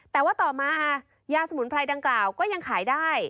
แต่ว่าต่อมายาสมุนไพรดังกล่าวก็ยังขายได้